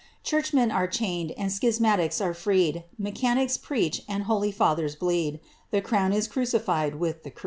Cliurchmen are chained, and schismatics are freed. Mechanics preach, and holy fathers bleed, The crown is crucified with the creed.